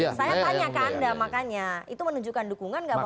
saya tanya ke anda makanya itu menunjukkan dukungan enggak bang pak jokowi